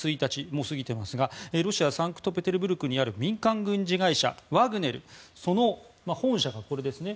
もう過ぎていますがロシア・サンクトペテルブルクにある民間軍事会社ワグネルの本社がこれですね。